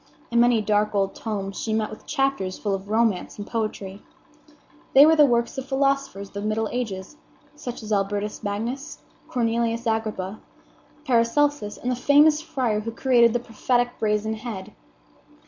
In many dark old tomes she met with chapters full of romance and poetry. They were the works of philosophers of the middle ages, such as Albertus Magnus, Cornelius Agrippa, Paracelsus, and the famous friar who created the prophetic Brazen Head.